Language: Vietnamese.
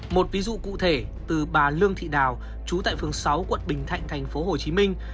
một ví dụ cụ thể từ bà lương thị đào chú tại phường sáu quận bình thạnh thành phố hồ chí minh